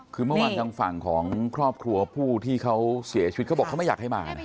คือเมื่อวานทางฝั่งของครอบครัวผู้ที่เขาเสียชีวิตเขาบอกเขาไม่อยากให้มานะ